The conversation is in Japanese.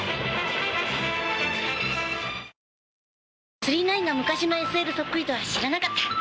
９９９が昔のＳＬそっくりとは知らなかった。